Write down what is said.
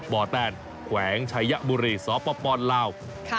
บ่อแตนแขวงชัยบุรีสปลาว